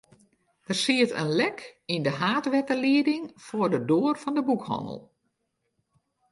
Der siet in lek yn de haadwetterlieding foar de doar by de boekhannel.